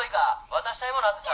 渡したい物あってさ。